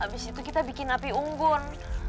abis itu kita bikin napi unggun